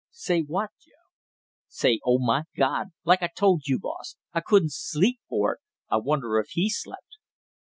"Say what, Joe?" "Say, 'Oh, my God!' like I told you, boss; I couldn't sleep for it, I wonder if he slept!"